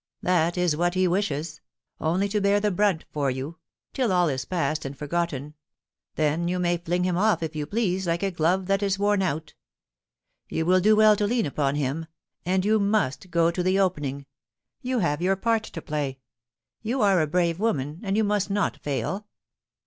That is what he wishes — only to bear the brunt for you — till all is past and forgotten. Then you may fling him off, if you please, like a glove that is worn out You will do well to lean upon him. ... And you must go to the Opening — you have your part to play. You are a brave woman, and you must not fail.